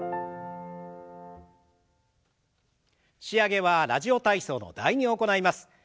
仕上げは「ラジオ体操」の「第２」を行います。